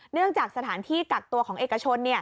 เนื่องจากสถานที่กักตัวของเอกชน